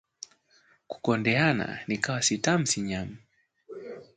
kukondeana nikawa sitamu sinyamu